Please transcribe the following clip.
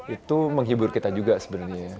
itu menghibur kita juga sebenarnya ya